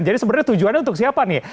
jadi sebenarnya tujuannya untuk siapa nih